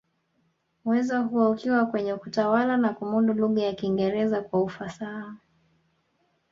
Uwezo huo ukiwa kwenye kutawala na kumudu lugha ya Kiingereza kwa ufasaha